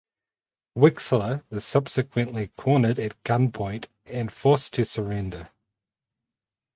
Wexler is subsequently cornered at gunpoint and forced to surrender.